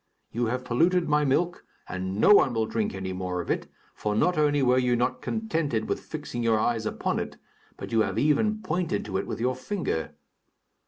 You have polluted my milk and no one will drink any more of it, for not only were you not contented with fixing your eyes upon it, but you have even pointed to it with your finger."